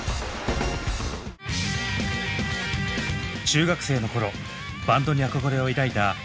中学生の頃バンドに憧れを抱いたＡｙａｓｅ